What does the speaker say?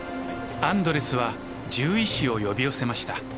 アンドレスは獣医師を呼び寄せました。